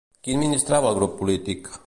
Qui administrava el grup polític?